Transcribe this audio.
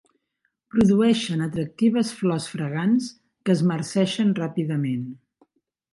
Produeixen atractives flors fragants que es marceixen ràpidament.